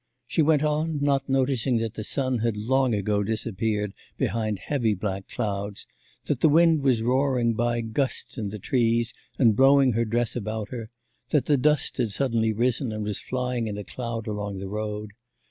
She went on, not noticing that the sun had long ago disappeared behind heavy black clouds, that the wind was roaring by gusts in the trees and blowing her dress about her, that the dust had suddenly risen and was flying in a cloud along the road....